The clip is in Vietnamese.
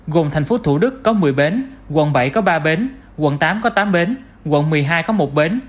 gồm tp thủ đức có một mươi bến quận bảy có ba bến quận tám có tám bến quận một mươi hai có một bến